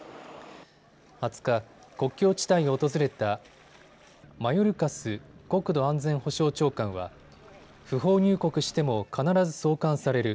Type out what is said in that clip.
２０日、国境地帯を訪れたマヨルカス国土安全保障長官は不法入国しても必ず送還される。